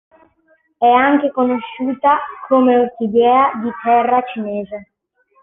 È anche conosciuta come "orchidea di terra cinese".